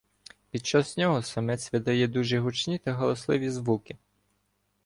Під час нього самець видає дуже гучні та галасливі звуки.